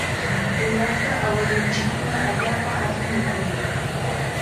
Unayqa awilunchikkuna allaapa allim mikuyaq